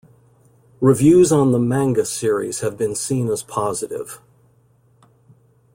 Reviews on the manga series have been seen as positive.